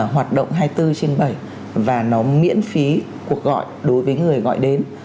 hoạt động hai mươi bốn trên bảy và nó miễn phí cuộc gọi đối với người gọi đến